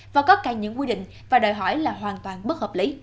và có cả những quy định và đòi hỏi là hoàn toàn bất hợp lý